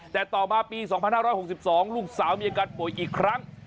แต่ต่อมาปี๒๕๖๒ลูกสาวมีอาการป่วยอีกครั้ง